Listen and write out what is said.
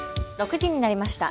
６時になりました。